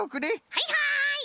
はいはい！